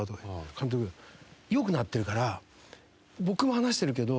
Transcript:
「監督良くなってるから僕も話してるけど監督